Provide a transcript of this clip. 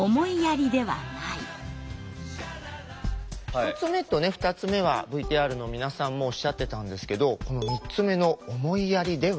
１つ目と２つ目はＶＴＲの皆さんもおっしゃってたんですけど３つ目の「『思いやり』ではない」。